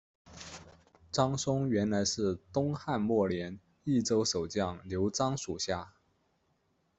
张松原来是东汉末年益州守将刘璋属下。